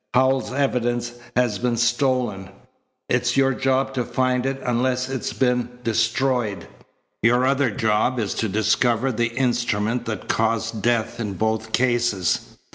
"Howells's evidence has been stolen. It's your job to find it unless it's been destroyed. Your other job is to discover the instrument that caused death in both cases.